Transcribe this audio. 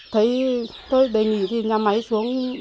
thấy thôi đề nghị thì nhà máy xuống